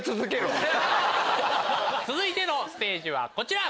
続いてのステージはこちら！